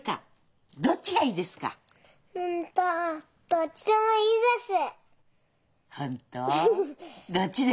どっちでもいいです。